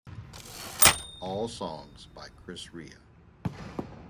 All songs by Chris Rea.